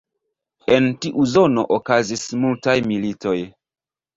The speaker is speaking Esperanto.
En tiu zono okazis multaj militoj.